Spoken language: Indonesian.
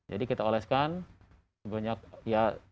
jadi kita oleskan sebanyak ya